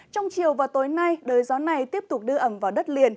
trong chiều và tối nay đời gió này tiếp tục đưa ẩm vào đất liền